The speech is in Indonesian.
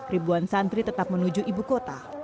ribuan santri tetap menuju ibu kota